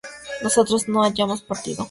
nosotras no hayamos partido